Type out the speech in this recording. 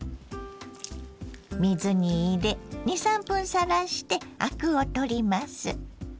水に入れ２３分さらしてアクを取ります。